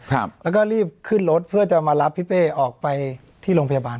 ครับแล้วก็รีบขึ้นรถเพื่อจะมารับพี่เป้ออกไปที่โรงพยาบาล